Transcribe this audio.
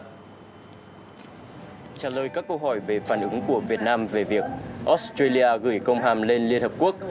trả lời các câu hỏi về phản ứng của việt nam về việc australia gửi công hàm lên liên hợp quốc